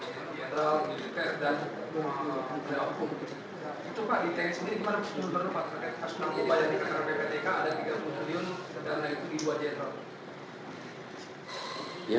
sebenarnya pak pas menang upaya di kepala pptk ada tiga puluh miliar